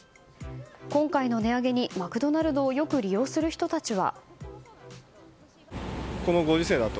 今回の値上げにマクドナルドをよく利用する人たちは。